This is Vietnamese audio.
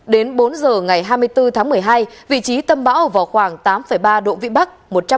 đến bốn giờ ngày hai mươi bốn tháng một mươi hai vị trí tâm bão ở vào khoảng tám ba độ vĩ bắc